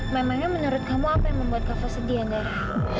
memangnya menurut kamu apa yang membuat kak fah sedih andara